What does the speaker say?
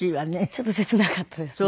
ちょっと切なかったですね。